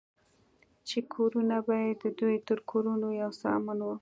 چې کورونه به يې د دوى تر کورونو يو څه امن وو.